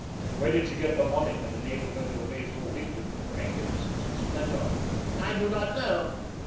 Where did she get the money that enabled her to amaze all England with her magnificence and splendor?" "I do not know."